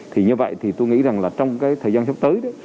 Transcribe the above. thì như vậy thì tôi nghĩ rằng là trong cái thời gian sắp tới đấy